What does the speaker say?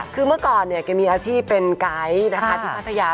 คือเมื่อก่อนเนี่ยแกมีอาชีพเป็นไกด์นะคะที่พัทยา